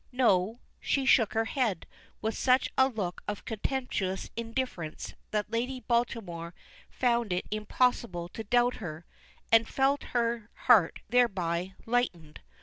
No; she shook her head with such a look of contemptuous indifference that Lady Baltimore found it impossible to doubt her, and felt her heart thereby lightened.